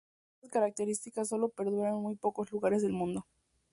Esta característica sólo perdura en muy pocos lugares del mundo.